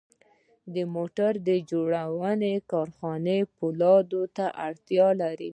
د موټر جوړونې کارخانه پولادو ته اړتیا لري